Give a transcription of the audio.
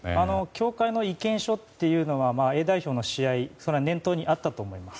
協会の意見書というのはＡ代表の試合が念頭にあったと思います。